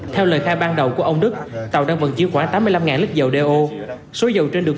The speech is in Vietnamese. theo lời khai ban đầu của ông đức tàu đang vận chuyển khoảng tám mươi năm lít dầu đeo số dầu trên được